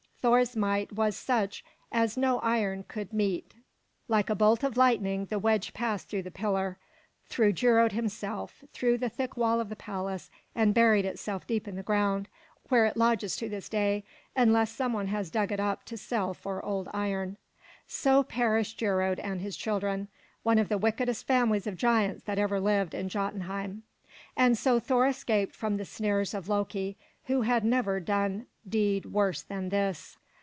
Thor's might was such as no iron could meet. Like a bolt of lightning the wedge passed through the pillar, through Geirröd himself, through the thick wall of the palace, and buried itself deep in the ground, where it lodges to this day, unless some one has dug it up to sell for old iron. So perished Geirröd and his children, one of the wickedest families of giants that ever lived in Jotunheim. And so Thor escaped from the snares of Loki, who had never done deed worse than this.